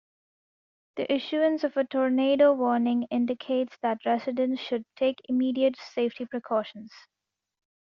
The issuance of a tornado warning indicates that residents should take immediate safety precautions.